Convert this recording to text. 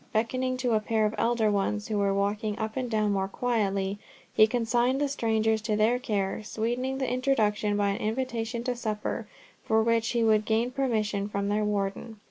Beckoning to a pair of elder ones, who were walking up and down more quietly, he consigned the strangers to their care, sweetening the introduction by an invitation to supper, for which he would gain permission from their Warden.